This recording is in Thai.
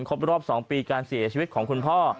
ครบรอบ๒ปีการเสียชีวิตของคุณพ่อ